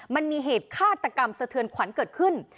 มันมีเหตุฆาตกรรมสะเทือนขวัญเกิดขึ้น